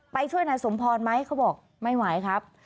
ไปช่วยนายสมพรไหมเขาบอกไม่ไหวครับ